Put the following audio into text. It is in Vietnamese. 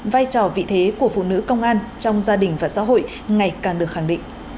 vai trò vị thế của phụ nữ công an trong gia đình và xã hội ngày càng được khẳng định